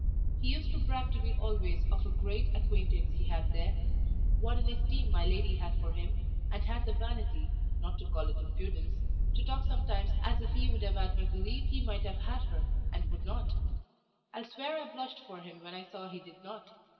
He used to brag to me always of a great acquaintance he had there, what an esteem my lady had for him, and had the vanity (not to call it impudence) to talk sometimes as if he would have had me believe he might have had her, and would not; I'll swear I blushed for him when I saw he did not.